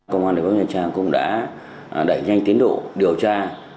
công an tp nha trang cũng đã đẩy nhanh tiến độ điều tra